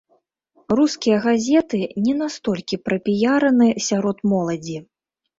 Рускія газеты не настолькі прапіяраны сярод моладзі.